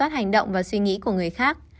và kiểm soát hành động và suy nghĩ của người khác